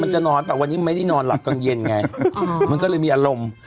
จะนอนแต่วันนี้มันไม่ได้นอนหลับกลางเย็นไงมันก็เลยมีอารมณ์